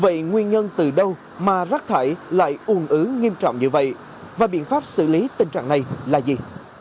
vậy nguyên nhân từ đâu mà rác thải lại ùn ứ nghiêm trọng như vậy và biện pháp xử lý tình trạng này là gì